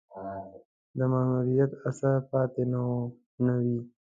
د محرومیت اثر پاتې نه وي.